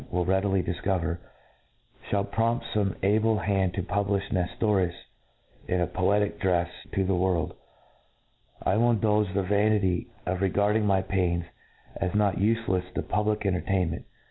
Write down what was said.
will readily difcovcr, Ihall prompt fome able hand to publifh Ncftorius in a poetical drcfe to the world, I C^^ill indulge the vanity of regard ing my pains as not ufelcfs to public entertain ment.